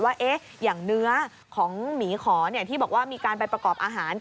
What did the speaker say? ว่าอย่างเนื้อของหมีขอที่บอกว่ามีการไปประกอบอาหาร